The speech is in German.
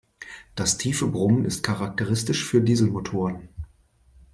Das tiefe Brummen ist charakteristisch für Dieselmotoren.